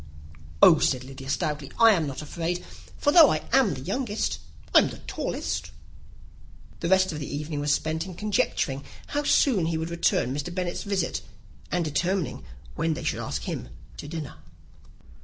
"Oh," said Lydia, stoutly, "I am not afraid; for though I am the youngest, I'm the tallest." The rest of the evening was spent in conjecturing how soon he would return Mr. Bennet's visit, and determining when they should ask him to dinner.